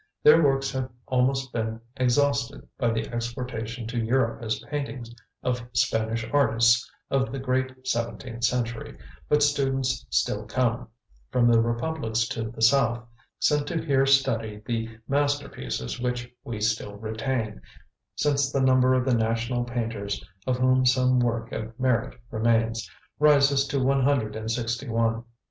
Their works have almost been exhausted, by exportation to Europe as paintings of Spanish artists of the great Seventeenth Century, but students still come, from the republics to the south, sent to here study the masterpieces which we still retain, since the number of the national painters, of whom some work of merit remains, rises to one hundred and sixty one.